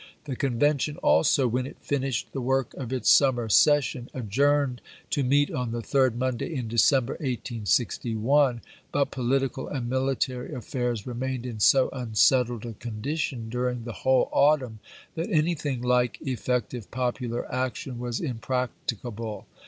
The Convention also, when it finished the work of its summer session, adjourned to meet on the third ^: Monday in December, 1861, but political and mili tary affairs remained in so unsettled a condition during the whole autumn that anything like effec tive popular action was impracticable.